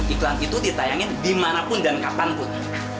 iklan itu ditayangin dimanapun dan kapanpun